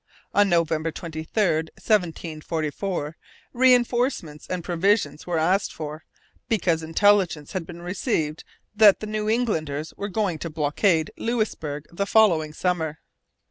On November 23, 1744, reinforcements and provisions were asked for, because intelligence had been received that the New Englanders were going to blockade Louisbourg the following summer.